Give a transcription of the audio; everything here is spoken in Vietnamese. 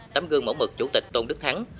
tắm gương mẫu mực chủ tịch tôn đức thắng